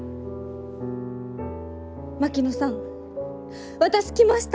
槙野さん私来ました！